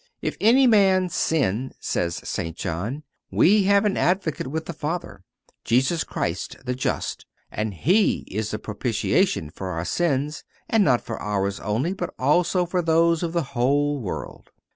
"If any man sin," says St. John, "we have an Advocate with the Father, Jesus Christ the just; and He is the propitiation for our sins; and not for ours only, but also for those of the whole world."